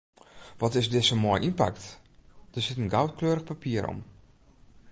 Wat is dizze moai ynpakt, der sit in goudkleurich papier om.